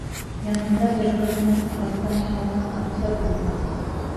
Янында бер ҡыҙ менән ағастан яһалған ат та булған.